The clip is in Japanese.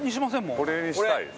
齊藤：これにしたいです。